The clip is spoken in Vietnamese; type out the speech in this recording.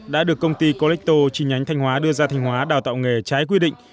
đã được công ty colecto trình nhánh thanh hóa đưa ra thanh hóa đào tạo nghề trái quy định